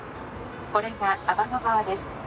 これが天の川です。